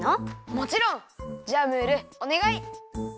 もちろん！じゃあムールおねがい！